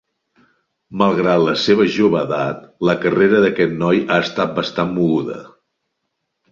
Malgrat la seva jove edat, la carrera d’aquest noi ha estat bastant moguda.